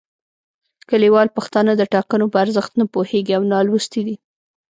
کلیوال پښتانه د ټاکنو په ارزښت نه پوهیږي او نالوستي دي